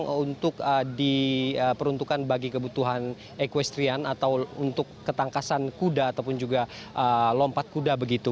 memang untuk diperuntukkan bagi kebutuhan equestrian atau untuk ketangkasan kuda ataupun juga lompat kuda begitu